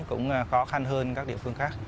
cũng khó khăn hơn các địa phương khác